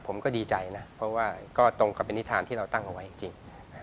ผมก็ดีใจนะเพราะว่าก็ตรงกับเป็นนิษฐานที่เราตั้งเอาไว้จริง